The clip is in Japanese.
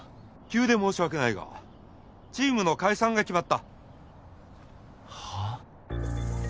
急で申し訳ないがチームの解散が決まったはあっ！？